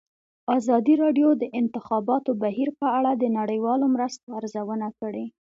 ازادي راډیو د د انتخاباتو بهیر په اړه د نړیوالو مرستو ارزونه کړې.